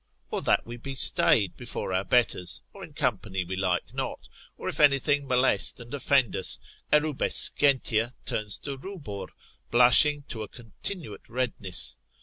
Or that we be staid before our betters, or in company we like not, or if anything molest and offend us, erubescentia turns to rubor, blushing to a continuate redness.